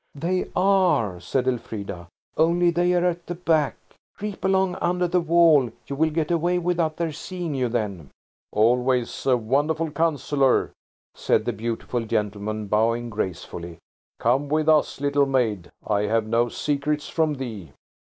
"They are," said Elfrida, "only they're at the back. Creep along under the wall; you will get away without their seeing you then." "Always a wonderful counsellor," said the beautiful gentleman, bowing gracefully. "Come with us, little maid. I have no secrets from thee."